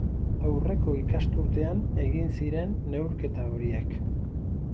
Aurreko ikasturtean egin ziren neurketa horiek.